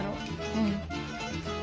うん。